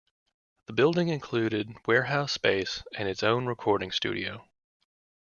The building included warehouse space and its own recording studio.